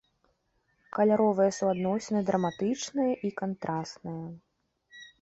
Каляровыя суадносіны драматычныя і кантрасныя.